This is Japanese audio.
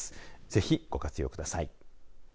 ぜひ、ご活用ください。